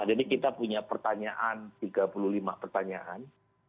jadi kita punya pertanyaan tiga puluh lima pertanyaan